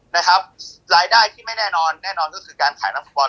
นะครับรายได้ที่ไม่แน่นอนแน่นอนก็คือการขายนักฟอ